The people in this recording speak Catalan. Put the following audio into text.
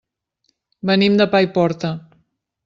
Venim de Paiporta.